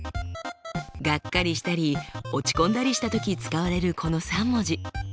がっかりしたり落ち込んだりした時使われるこの３文字。